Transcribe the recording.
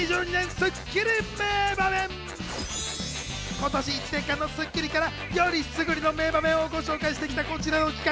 今年一年間の『スッキリ』からよりすぐりの名場面をご紹介して来たこちらの企画。